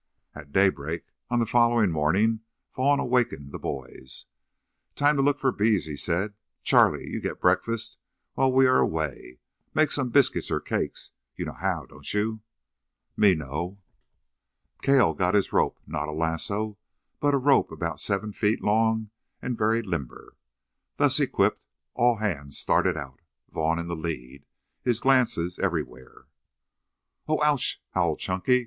At daybreak, on the following morning, Vaughn awakened the boys. "Time to look for bees," he said. "Charlie, you get breakfast while we are away. Make some biscuit or cakes. You know how, don't you?" "Me know." Cale got his rope not a lasso, but a rope about seven feet long and very limber. Thus equipped, all hands started out, Vaughn in the lead, his glances everywhere. "Ou ouch!" howled Chunky.